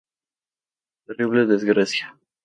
Terrible desgracia.